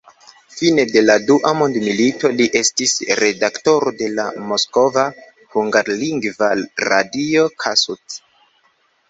Fine de la dua mondmilito li estis redaktoro de la moskva hungarlingva radio Kossuth.